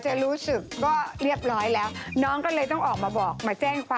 จะรู้นี่ก็คือโทษไปแล้ว